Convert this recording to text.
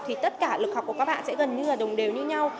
thì tất cả lực học của các bạn sẽ gần như là đồng đều như nhau